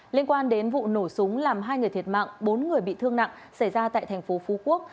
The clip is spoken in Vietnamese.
liên quan đến vụ nổ súng làm hai người thiệt mạng bốn người bị thương nặng xảy ra tại thành phố phú quốc